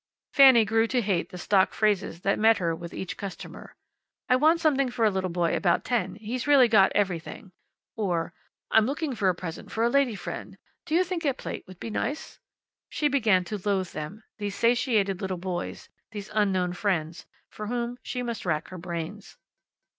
Fanny grew to hate the stock phrases that met her with each customer. "I want something for a little boy about ten. He's really got everything." Or, "I'm looking for a present for a lady friend. Do you think a plate would be nice?" She began to loathe them these satiated little boys, these unknown friends, for whom she must rack her brains.